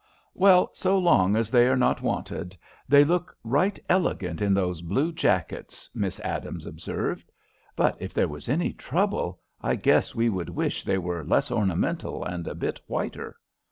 "Well, so long as they are not wanted, they look right elegant in those blue jackets," Miss Adams observed. "But if there was any trouble, I guess we would wish they were less ornamental and a bit whiter."